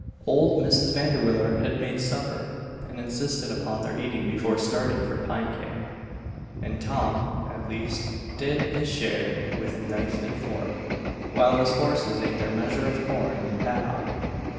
Old Mrs. Vanderwiller had made supper, and insisted upon their eating before starting for Pine Camp. And Tom, at least, did his share with knife and fork, while his horses ate their measure of corn in the paddock.